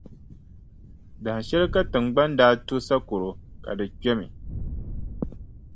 Dahinshɛli ka Tiŋgbani daa to sakɔro ka di kpɛmi.